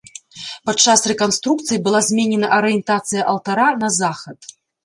Пад час рэканструкцыі была зменена арыентацыя алтара на захад.